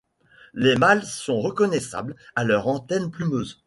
Les mâles sont reconnaissables à leurs antennes plumeuses.